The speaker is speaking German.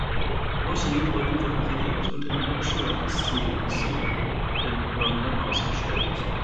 Motty wurde präpariert und im Natural History Museum in London ausgestellt.